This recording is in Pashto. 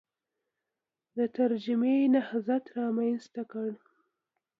د ترجمې نهضت رامنځته کړ